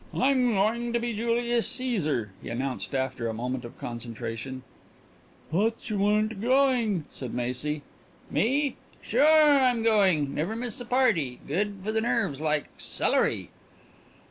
"I'm going to be Julius Caesar," he announced after a moment of concentration. "Thought you weren't going!" said Macy. "Me? Sure I'm goin'. Never miss a party. Good for the nerves like celery."